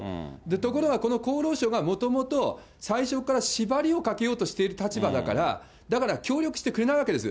ところが、この厚労省がもともと、最初から縛りをかけようとしている立場だから、だから協力してくれないわけです。